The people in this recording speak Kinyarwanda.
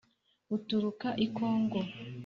Baturuka i Kongo;